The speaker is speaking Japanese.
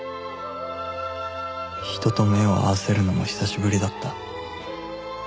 人と目を合わせるのも久しぶりだった